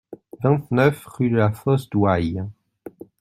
vingt-neuf rue de la Fosse d'Oille